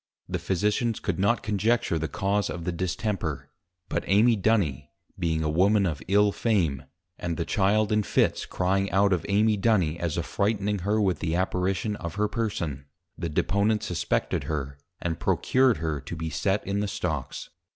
The Physicians could not conjecture the cause of the Distemper; but Amy Duny being a Woman of ill Fame, and the Child in Fits crying out of Amy Duny, as affrighting her with the Apparition of her Person, the Deponent suspected her, and procured her to be set in the stocks.